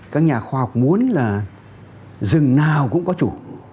các nhà khoa học muốn là rừng nào cũng có chủ